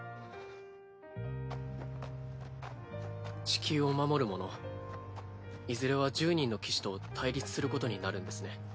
地球を守る者いずれは１０人の騎士と対立することになるんですね。